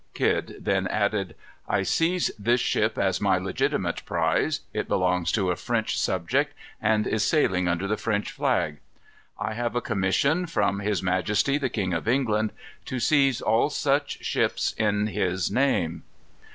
Kidd then added: "I seize this ship as my legitimate prize. It belongs to a French subject, and is sailing under the French flag. I have a commission from his majesty the King of England to seize all such ships in his name."